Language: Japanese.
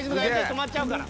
止まっちゃうから。